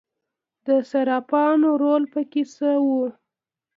د صرافانو رول پکې څه و؟